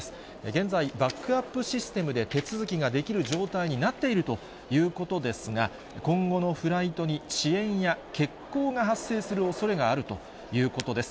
現在、バックアップシステムで手続きができる状態になっているということですが、今後のフライトに遅延や欠航が発生するおそれがあるということです。